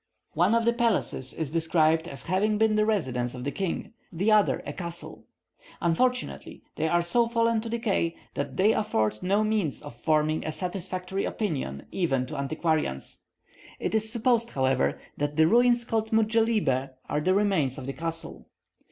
One of the palaces is described as having been the residence of the king, the other a castle. Unfortunately they are so fallen to decay, that they afford no means of forming a satisfactory opinion even to antiquarians. It is supposed, however, that the ruins called Mujellibe are the remains of the castle.